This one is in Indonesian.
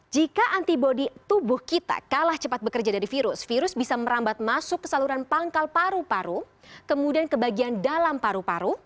jika antibody tubuh kita kalah cepat bekerja dari virus virus bisa merambat masuk ke saluran pangkal paru paru kemudian ke bagian dalam paru paru